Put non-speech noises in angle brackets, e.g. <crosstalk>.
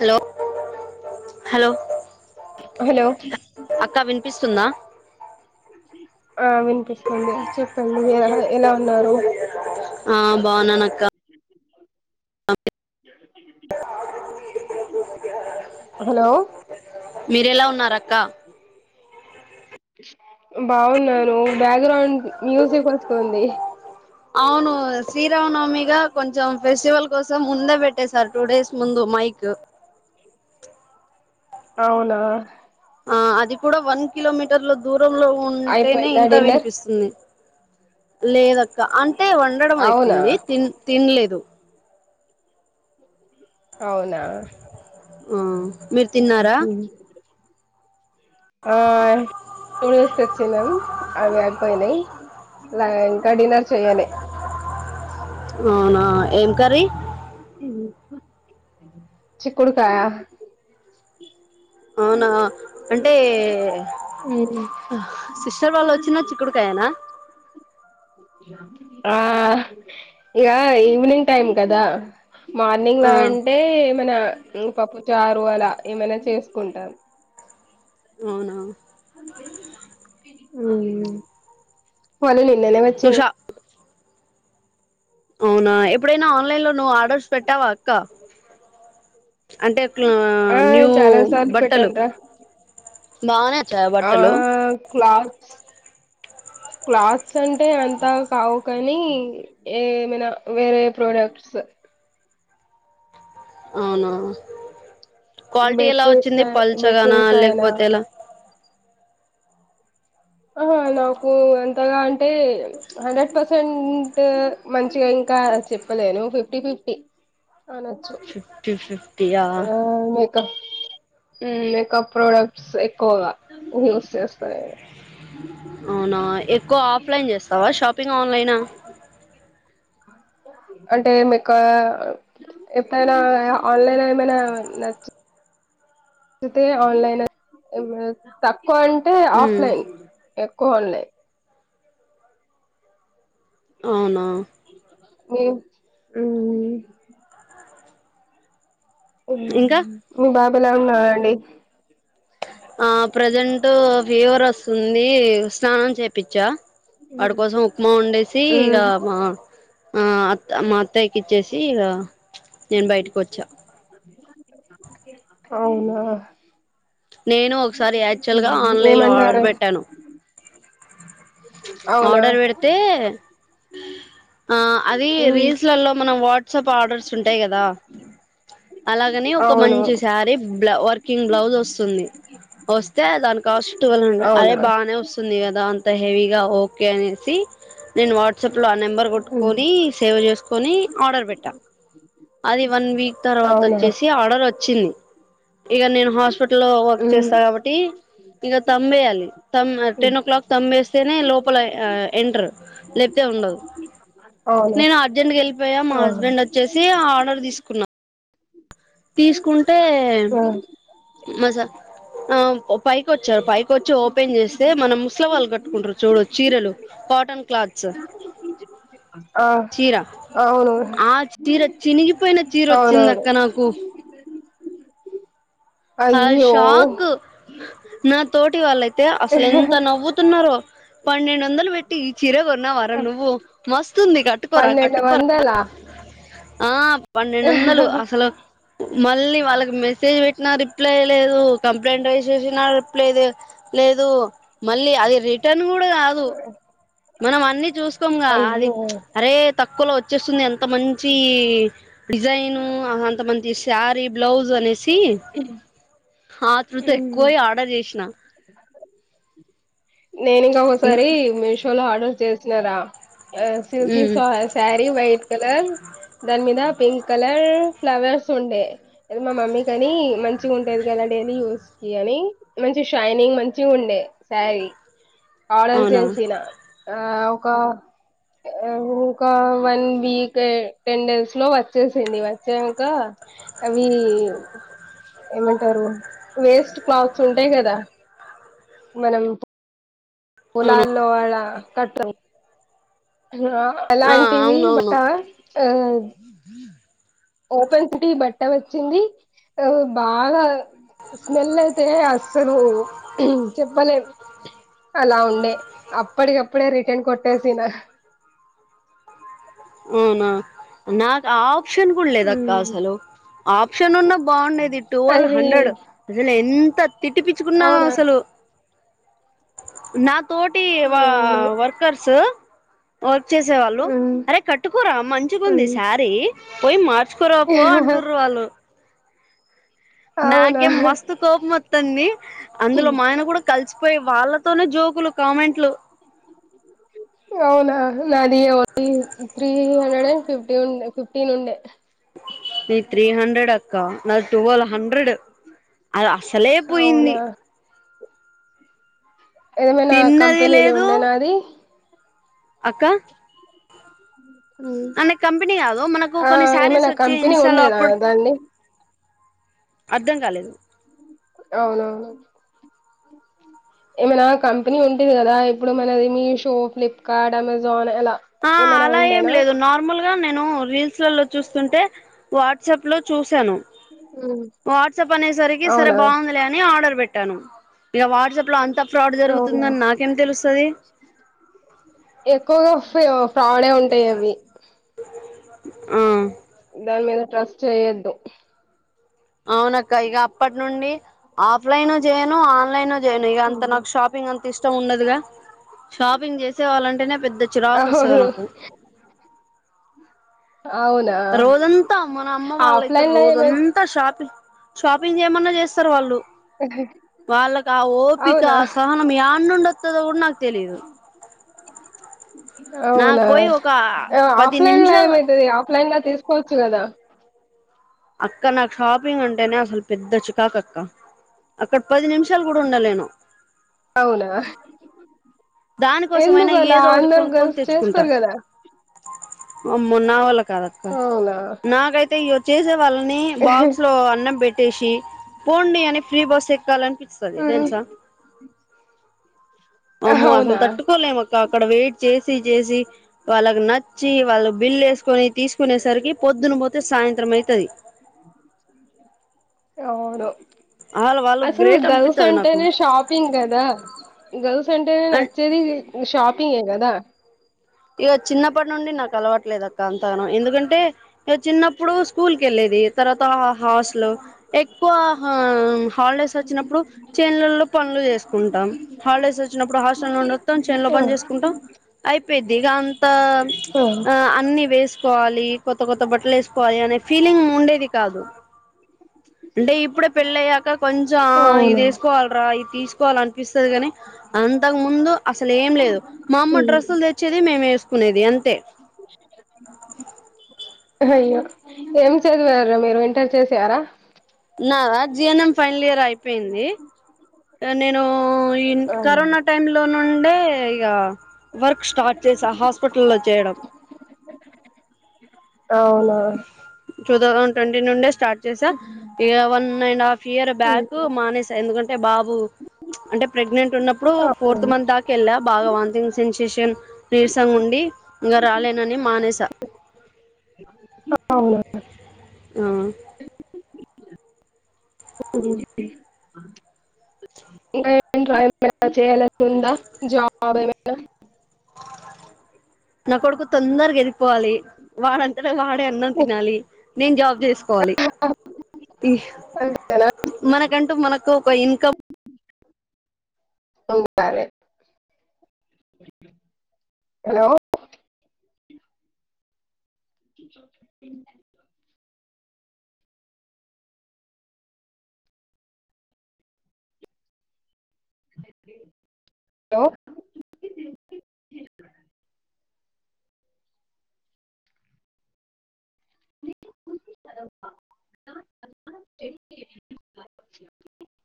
Hello hello hello అక్క వినిపిస్తుందా ఆ వినిపిస్తుంది చెప్పండి ఎలా ఉన్నారు ఆ బాగున్నానక్క హలో మీరెలా ఉన్నారక్క బాగున్నాను బ్యాక్గ్రౌండ్ మ్యూజిక్ వస్తుంది. అవును శ్రీరామనవమిగా కొంచెం ఫెస్టివల్ కోసం ముందే పెట్టేశారు. టూ డేస్ ముందు మైక్ అవునా ఆ అది కూడా వన్ కిలోమీటర్ల దూరంలో ఉంటేనే అయిపోయిందా ఇంత డిన్నర్ వినిపిస్తుంది. లేదక్క అంటే వండడం అవునా అయిపోయింది తిన్ తిన్లేదు. అవునా ఉ మీరు తిన్నారా ఆ ఫ్రూట్స్ తెచ్చినం అవి అయిపోయినాయి ఇంకా డిన్నర్ చేయనే అవునా ఏం కర్రీ చక్కుడుకాయా అవునా అంటే సిస్టర్ వాళ్ళు వచ్చిన చిక్కుడుకాయనా ఆ ఇగా ఈవినింగ్ టైమ్ కదా మార్నింగ్ ఆ లా అంటే ఏమనా పప్పు చారు అలా ఏమైనా చేసుకుంటాం అవునా ఉ వల్లి నేల నువ్వు వచ్చను షా అవునా ఎప్పుడైనా ఆన్లైన్ లో నువ్వు ఆర్డర్స్ పెట్టావా అక్క, అంటే ఆ న్యూ చాలా సార్లు బట్టలు పెట్టానురా బానే ఆ క్లాత్స్ <unintelligible> క్లాత్స్ అంటే అంతా కావు కానీ ఏమైనా వేరే ప్రోడక్ట్స్, <unintelligible> అవునా క్వాలిటీ ఎలా బెడ్షీట్స్ వచ్చింది పల్చగానా బెడ్షీట్స్ అయినా లేకపోతే ఎలా ఆ నాకు అంతగా అంటే హండ్రెడ్ పర్సెంట్ మంచిగా ఇంకా ఇంకా చెప్పలేను ఫిఫ్టీ ఫిఫ్టీ <unintelligible> అనొచ్చు ఫిఫ్టీ ఫిఫ్టీ య ఆ మేకప్ ప్రోడక్ట్స్ ఎక్కువ యూస్ చేస్తా, అవునా ఎక్కువ ఆఫ్లైన్ చేస్తావా, షాపింగ్ ఆన్లైనా <unintelligible> అంటే మీకు ఎప్పుడైనా ఆన్లైన్ ఏమైనా నచ్చ అతే ఆన్లైన్ తక్కువ అంటే ఉమ్ ఆఫ్లైన్ ఎక్కువవున్నాయి. అవునా ఏం ఉ ఉ ఇంకా మీ బాబు ఎలా ఉన్నాడండి. ఆ ప్రజెంట్ ఫీవర్ వస్తుంది, స్నానం చేపిచ్చా వాడి కోసం ఉప్మా వండేసి ఇక ఉమ్ మా ఆ మా అత్తయ్యకి ఇచ్చేసి ఇ నేను బయటకి వచ్చా అవునా నేను ఒకసారి యాక్చువల్ గా ఆన్లైన్ లో ఆర్డర్ ఏమంటరు పెట్టాను ఆర్డర్ వెడితే ఆ అది ఉమ్ రీల్స్ ల్లో మనం వాట్సాప్ ఆర్డర్స్ ఉంటాయి. కదా అలాగనే ఒక అవును మంచి సారీ బ్ వర్కింగ్ బ్లౌజ్ వస్తుంది. వస్తే దాని కాస్ట్ టువెల్ హండ్రెడ్ అదే అవునా బాగానే వస్తుంది కదా అంత హెవీగా ఒకే అనేసి నేను వాట్ వాట్సాప్ లో ఆ నెంబర్ ఉమ్ కొట్టుకొని సేవ్ చేసుకొని ఆర్డర్ పెట్టా అది వన్ వీక్ తర్వాత అవునా వచ్చేసి ఆర్డర్ వచ్చింది. ఇగ నేను హాస్పిటల్ లో వర్క్ ఉమ్ చేస్తా కాబట్టి ఇగ తంబు వేయాలి, తమ్ ఉమ్ టెన్ ఓ క్లాక్ తాంబేస్తేనే లోపల ఎంటర్ లేకతే ఉండదు అవునా నేను అర్జెంట్గా వెళ్ళిపోయా మా అవును హస్బెండ్ వచ్చేసి ఆర్డర్ తీసుకున్నా, తీసుకో రాన్ మజా ఆ పైకి వచ్చాం పైకి వచ్చి ఓపెన్ చేస్తే మనం ముసలి వాళ్ళు కట్టుకుంటారు చూడు చీరలు కాటన్ క్లాత్స్ ఆ చీరా అవును ఆ చీరా చినిగిపోయిన చీర వచ్చింది అవునవును అక్క నాకు ఆ అయ్యో షాక్ నా తోటి వాళ్ళైతే అసలు ఎంత నవ్వుతున్నారో పన్నెండు వందలు పెట్టి ఈ చీర కొన్నవర నువ్వు మస్తుంది కట్టుకోరా పన్నెండు కట్టుకోరా వందలా ఆ పన్నెండు వందలు అసలు మళ్ళీ వాళ్ళకి మెసేజ్ పెట్టిన రీప్ ప్లే లేదు కంప్లైంట్ రైస్ చేసిన రీప్లే లేదు మళ్ళీ అది రిటర్న్ కూడా కాదు మనం అన్ని చూసుకొంగా అది అయ్యో అరే తక్కువలో వచ్చేస్తుంది ఎంత మంచి డిజైను అంతమంచి శారీ బ్లౌజ్ అనేసి ఆతృత మ్మ్. ఎక్కువై ఆర్డర్ చేసిన నేను ఇంగ ఒకసారి మీషో లో ఆర్డర్ చేసినారా శివ్ కి ఉమ్ స సారీ వైట్ కలర్ దాని మీద పింక్ కలర్ ఫ్లవర్స్ ఉండే మా మమ్మీ కని మంచిగా ఉంటేది కదా డైలీ యూస్ కి అని మంచి షైనింగ్ మంచిగా ఉండే శారీ ఆర్డర్ అవునా చేసిన ఆ ఒక ఇంకా వన్ వీక్ టెన్ డేస్ లో వచ్చేసింది వచ్చినంక అవి ఏమంటారు వేస్ట్ క్లాత్స్ ఉంటాయి కదా మనం అవును పోలాల్లో అలా కట్ట ఆ అలాంటివి బట్ట అవునవును ఆ ఓపెన్ సిటీ బట్ట వచ్చింది ఆ బాగా స్మెల్ అయితే అస్సలు చెప్పలేం అలా ఉండే అప్పటికప్పుడే రిటర్న్ కొట్టేసిన అవునా నాకు ఆప్షన్ కూడా లేదు అక్క అసలు ఆప్షన్ ఉన్న బాగుండేది టువల్వ్ అది హండ్రెడ్ అసలు ఎంత తిట్టి పిట్టించుకున్నానో అవునా అసలు నా తోటి వ అవును వర్కర్స్ వ చేసేవాళ్ళు ఉమ్ అరే కట్టుకోరా మంచిగుంది ఉమ్ శారీ పోయి మార్ కురాపో అంటూర్రు వాళ్ళు అవునా నాకేం మస్తు కోపం వత్తంది అందులో ఆయన కూడా కలిసిపోయి వాళ్ళతోనే జో లు కామెంట్లు అవునా నాది only three hundred and fifty ఉండ ఫిఫ్టీన్ ఉండే నిధి త్రీ హండ్రెడ్ ఎ అక్క నాది టువల్ హండ్రెడ్ అది అసలే పోయింది అవునా ఏమైనా తిన్నది కంపెనీ ఇది లేదు ఉండేనా అది అక్క హ్మ్. అనే కంపెనీ కాదు మనకు ఆ కొన్ని శారీస్ ఏమైనా వచ్చి కంపెనీ ఇన్స్టాలో ఉండేదా అప్పుడు దాన్ని అర్థం కాలేదు అవునవును ఏమైనా కంపెనీ ఉంటది కదా ఇప్పుడు మనది మీషో, ఫ్లిప్కార్ట్, అమెజాన్ అలా ఆ ఏమైనా అలా ఏం ఉండేనా లేదు నార్మల్గా గా నేను రీల్స్లలో చూస్తుంటే వాట్సాప్ లో చూసాను హ్మ్. వాట్సాప్ అనేసరికి సరే అవునా బాగుందిలే అని ఆర్డర్ పెట్ట ట్టాను ఇక వాట్సాప్ లో అంత ఫ్రాడ్ అవునా జరుగుతుందని నాకేం తెలుస్తది ఎక్కువగా ఫ్రాడే ఉంటాయి అవి ఆ దాని మీద ట్రస్ట్ చేయొద్దు అవునక్క ఇక అప్పటి నుండి ఆఫ్ లైన్ చేయను ఆన్లైన్ ను ఇ అంత హ్మ్. నాకు షాపింగ్ అంత ఇష్టం ఉండదు గా షాపింగ్ చేసే వాళ్ళంటేనే పెద్ద చిరాకు వస్తుంది అవును నాకు అవునా రోజంతా మన అమ్మ వాళ్ళయితే ఆఫ్లైన్ లో ఏమై రోజంతా షాపి షాపింగ్ చేయమన్నా చేస్తారు వాళ్ళు వాళ్ళకి ఆ ఓపిక అవునా సహనం న్ను ఉండుత్తతు కూడా నాకు తెలీదు <inaudible> నాకు అవునా పోయి ఒక పది ఆఫ్లైన్ లా నిమిషాలు ఏమైతుది ఆఫ్లైన్ ల తీసుకోవచ్చు కదా అక్క నాకు షాపింగ్ అంటేనే అసలు పెద్ద చికాకక్క అక్కడ పది నిమిషాలు కూడా ఉండాలేను అవునా దానికోసమైనా ఎందుకులా ఏదో ఒకటి అందరు కలిసి చేస్తారు కదా మొన్న వాళ్ళు కదక్క అవునా నాకాయితేయో చేస వాళ్ళని బాక్స్ లో అన్నం పెట్టేసి పొండి అని ఫ్రీ బస్ ఎక్కాలి అనిపిస్తాది ఉమ్. తెలుస ఆహా అసలు తట్టుకోలేము అక్క అక్కడ వెయిట్ చేసి చేసి వాళ్ళకి నచ్చి వాళ్ళు బిల్ వేసుకొని తీసుకునేసరికి పొద్దున్న పోతే సాయంత్రం అవుతుంది అవును వాళ్ళు అసలు గ్రేట్ గర్ల్స్ అనిపిత్తది నాకు అంటేనే షాపింగ్ కదా గర్ల్స్ అంటేనే అం నచ్చేది షాపింగ్ కదా ఇక చిన్నప్పటి నుండి నాకు అలవట్లేదక్క అంతగానం ఎందుకంటే ఇక చిన్నప్పుడు స్కూల్ కి వెళ్ళేది తర్వాత హాస్టల్ ఆ లో ఎక్కువ హాలిడేస్ వచ్చినప్పుడు చెైన్లలో పనులు చేసుకుంటాం హాలిడేస్ వచ్చినప్పుడు హాస్టల్ లో ఉండి వస్తాం చెన్లో ఆ, పని చేసుకుంటాం అయిపోయింది ఇగ అంత ఆ, అన్ని వేసుకోవాలి కొత్త కొత్త బట్టలు వేసుకోవాలి అనే ఫీలింగ్ ఉండేది కాదు అంటే ఇప్పుడే పెళ్ళ అయ్యాక కొంచెం ఇది అవును వేసుకోవాలరా ఇది తీసుకోవాలంట పిస్తుంది కానీ అంతకు ముందు అసలు ఏం లేదు మా అమ్మ ఉమ్. డ్రెస్సులు తెచ్చేది మేము వే కునేది అంతే అయ్యో ఏం చదివారు మీరు ఇంటర్ చేసరా నాద జిఎన్ఎం ఫైనల్ ఇయర్ అయిపోయింది నేను ఈ అవునా కరోనా టైమ్ లో నుండే ఇక వర్క్ స్టార్ట్ చేస హాస్పిటల్ల్లో చేయడం అవునా ట్వోథోసంద్ ట్వంటీ నుండే స్టార్ట్ చేసా ఇ one and half year back మానేసా ఎందుకంటే బాబు అంటే ప్రెగ్నెంట్ ఉన్నప్పుడు ఫోర్త్ మంత్ దాక వెళ్ళా బాగా వాథంగ్ సెన్సేషన్ నీరసంగా ఉండి ఇంకా రాలేనని మానేసా అవున ఆ ఇంకా ఏ టై చేయాలీ అని ఉందా జాబ్ ఏమైనా నా కొడుకు తొందరగా ఎదిగిపోవాలి వాడంటేనే వాడే అన్నం తినాలి నేను జాబ్ చేసుకోవాలి మనకంటూ మనకు ఒక ఇన్కమ్ ఉండాలీ హలో హలో అ అ అ